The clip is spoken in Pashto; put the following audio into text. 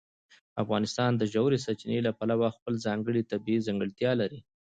افغانستان د ژورې سرچینې له پلوه خپله ځانګړې طبیعي ځانګړتیا لري.